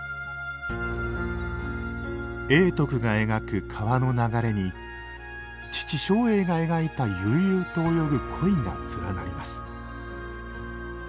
永徳が描く川の流れに父松栄が描いた悠々と泳ぐ鯉が連なります